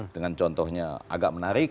dengan contohnya agak menarik